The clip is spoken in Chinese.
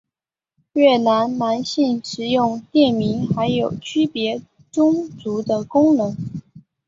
越南男性使用垫名还有区别宗族的功能。